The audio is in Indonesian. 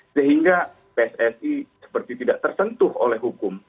sehingga pssi seperti tidak tersentuh oleh hukum